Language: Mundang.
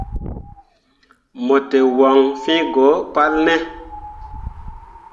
Mo te waŋ fĩĩ go palne ?